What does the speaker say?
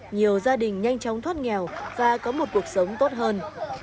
nhiều gia đình nhanh chóng thoát nghèo và có một cuộc sống tốt hơn